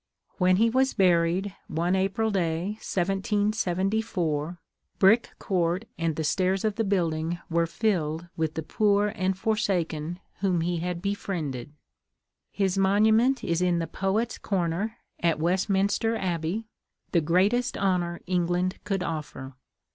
When he was buried, one April day, 1774, Brick Court and the stairs of the building were filled with the poor and the forsaken whom he had befriended. His monument is in the Poets' Corner at Westminster Abbey, the greatest honor England could offer.